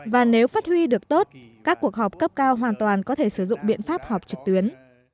và nếu phát huy được tốt các cuộc họp cấp cao hoàn toàn có thể sử dụng biện pháp họp trực tuyến